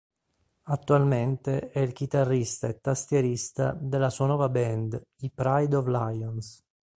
Attualmente è il chitarrista e tastierista della sua nuova band, i Pride of Lions.